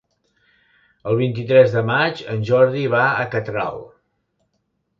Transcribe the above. El vint-i-tres de maig en Jordi va a Catral.